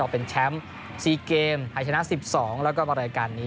เป็นแชมป์๔เกมไทยชนะ๑๒แล้วก็มารายการนี้